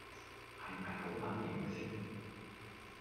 係咪好撚型先